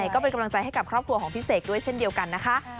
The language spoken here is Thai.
ก็เป็นกำลังใจให้กับครอบครัวของพี่เสกด้วยเช่นเดียวกันนะคะ